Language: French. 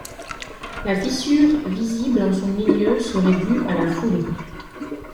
La fissure visible en son milieu serait due à la foudre.